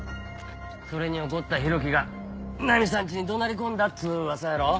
それに怒った浩喜がナミさんちに怒鳴り込んだっつう噂やろ。